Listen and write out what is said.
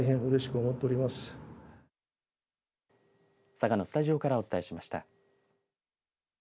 佐賀のスタジオからお伝えしました。